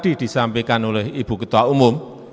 itu betul sekali